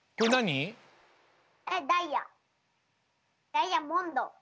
ダイヤモンド。